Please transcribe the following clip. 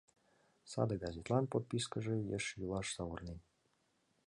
Саде газетлан подпискыже еш йӱлаш савырнен.